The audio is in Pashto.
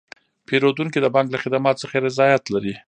پیرودونکي د بانک له خدماتو څخه رضایت لري.